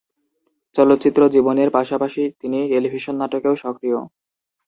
চলচ্চিত্র জীবনের পাশাপাশি তিনি টেলিভিশন নাটকেও সক্রিয়।